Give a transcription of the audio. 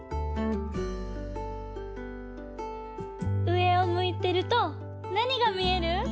うえをむいてるとなにがみえる？